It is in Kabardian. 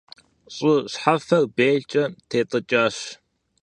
ЩӀы щхьэфэр белкӀэ тетӀыкӀащ.